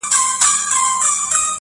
ویل کيږي چي کارګه ډېر زیات هوښیار دی.!